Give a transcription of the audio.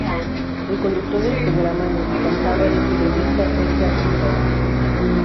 El conductor del programa en el que cantaba era el periodista Édgar Anzola.